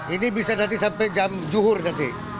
ini bisa nanti sampai jam juhur nanti